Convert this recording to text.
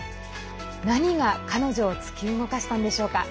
何が彼女を突き動かしたんでしょうか。